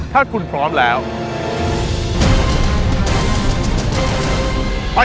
อื้อหืกราบกราน